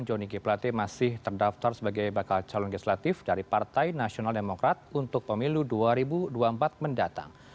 johnny g plate masih terdaftar sebagai bakal calon legislatif dari partai nasional demokrat untuk pemilu dua ribu dua puluh empat mendatang